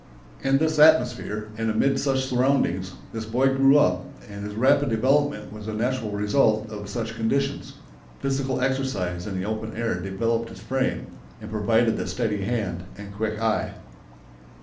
In this atmosphere, and amid such surroundings, this boy grew up, and his rapid development was a natural result of such conditions. Physical exercise in the open air developed his frame, and provided the steady hand and quick eye.